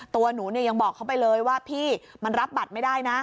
ตัวหนูเนี่ยยังบอกเขาไปเลยว่าพี่มันรับบัตรไม่ได้นะ